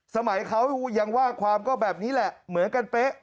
สมัยเขายังว่าความก็แบบนี้แหละเหมือนกันเป๊ะ